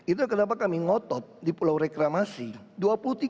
itu kenapa kami ngotot di pulau reklamasi